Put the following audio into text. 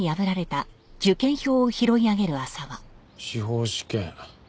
司法試験。